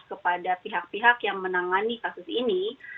kepada pihak pihak yang menangani kasus ini